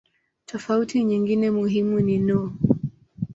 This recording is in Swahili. Tofauti nyingine muhimu ni no.